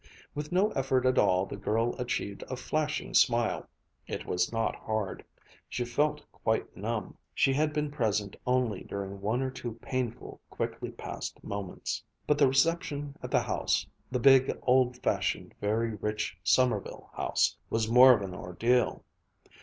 With no effort at all the girl achieved a flashing smile. It was not hard. She felt quite numb. She had been present only during one or two painful, quickly passed moments. But the reception at the house, the big, old fashioned, very rich Sommerville house, was more of an ordeal.